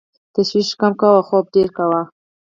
تشویش کم کوه او خوب ډېر کوه .